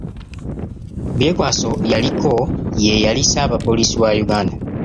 Byekwaso yaliko ye yali ssaabapoliisi wa Uganda.